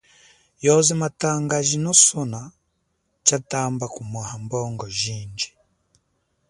Yoze makatanga ajino sona tshatamba kumwaha mbongo jindji.